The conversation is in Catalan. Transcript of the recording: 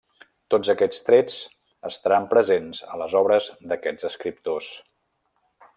Tots aquests trets estaran presents a les obres d’aquests escriptors.